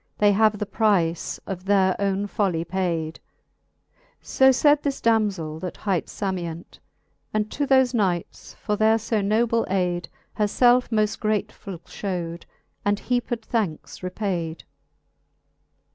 They have the price of their owne folly payd. So faid this damzell, that hight Samient^ And to thofe knights, for their fb noble ayd, Her felfe moft gratefuU fhew'd, and heaped thanks repayd.